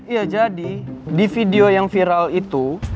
ya jadi di video yang viral itu